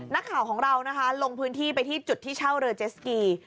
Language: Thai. นักข่าวของเรานะคะลงพื้นที่ไปที่จุดที่เช่าเรือเจสกี